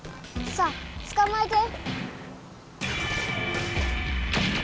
さあつかまえて！